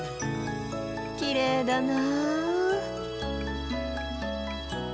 きれいだな。